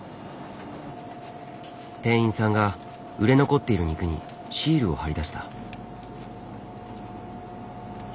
店員さんが売れ残っている肉にシールを貼りだした。